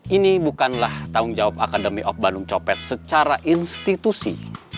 ini bukanlah tanggung jawab akademi ok bandung copet secara institusi